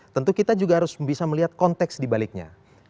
tentu kita juga harus bisa melihat konteks dibaliknya